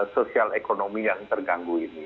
sosial ekonomi yang terganggu ini